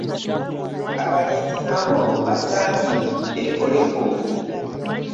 Abalenzi nabo basaanye beekomeko.